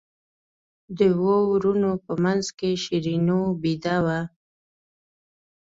د اوو وروڼو په منځ کې شیرینو بېده وه.